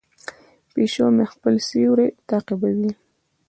پیشو مې خپل سیوری تعقیبوي.